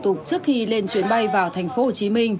trước khi lên chuyến bay vào thành phố hồ chí minh